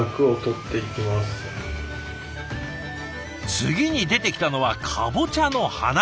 次に出てきたのはカボチャの花。